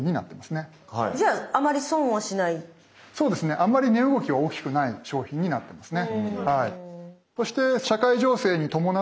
あまり値動きが大きくない商品になってますね。